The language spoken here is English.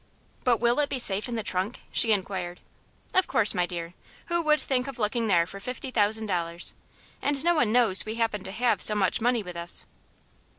"But will it be safe in the trunk?" she enquired. "Of course, my dear. Who would think of looking there for fifty thousand dollars? And no one knows we happen to have so much money with us."